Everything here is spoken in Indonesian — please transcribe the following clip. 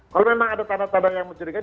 karena memang ada tanda tanda yang mencurigakan